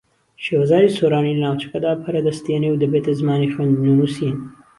شێوەزاری سۆرانی لە ناوچەکەدا پەرە دەستێنێ و دەبێتە زمانی خوێندن و نووسین